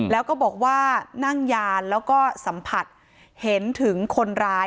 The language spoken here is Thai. แล้วก็บอกว่านั่งยานแล้วก็สัมผัสเห็นถึงคนร้าย